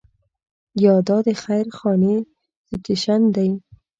یا دا د خير خانې سټیشن دی.